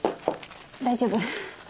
大丈夫。